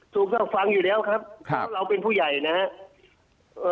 ถูกก็ฟังอยู่แล้วครับเพราะเราเป็นผู้ใหญ่นะครับ